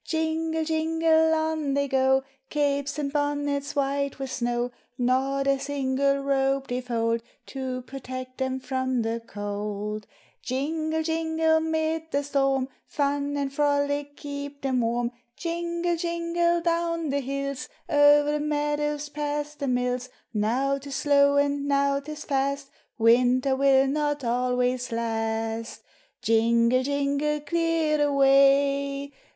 Jingle, jingle, on they go, Capes and bonnets white with snow, Not a single robe they fold To project them from tiie cold ; Jingle, jingle, mid the storm, Fun and frolic keep them warm ; Jingle, jingle, down the hills. O'er the meadows, past the mills. Now 't is slow, and now 't is fast ; Winter will not always last. Jingle, jingle, clear the way